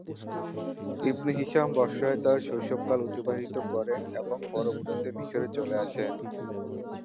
ইবনে Hisham বসরায় তার শৈশবকাল অতিবাহিত করেন এবং পরবর্তীতে মিশরে চলে আসেন।